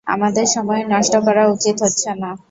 আমাদের সময় নষ্ট করা উচিত হচ্ছে না।